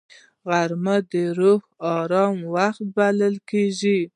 غرمه د روح آرام وخت بلل کېږي